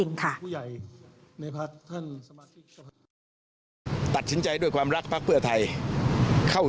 มีภักดิ์ของภักดิ์ที่เกี่ยวข้องกับการรัฐบาล